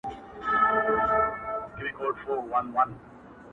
په توبو یې راولمه ستا تر ځایه٫